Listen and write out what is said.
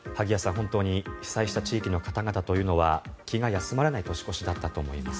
本当に被災された地域の方々は気が休まらない年越しだったと思います。